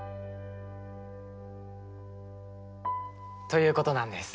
ということなんです。